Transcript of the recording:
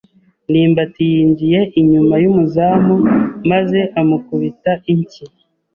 ndimbati yinjiye inyuma y’umuzamu maze amukubita inshyi.